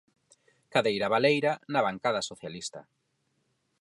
Cadeira baleira na bancada socialista.